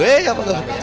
hei apa kabar